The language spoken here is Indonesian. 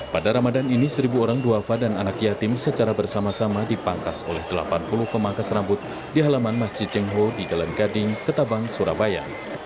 pada ramadan ini seribu orang duafa dan anak yatim secara bersama sama dipangkas oleh delapan puluh pemangkas rambut di halaman masjid cengho di jalan gading ketabang surabaya